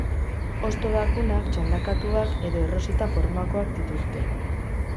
Hosto bakunak, txandakatuak edo erroseta-formakoak dituzte.